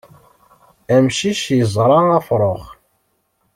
Amcic yeẓṛa afṛux.